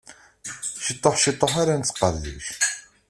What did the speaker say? Ciṭuḥ ciṭuḥ ara nettqerḍic.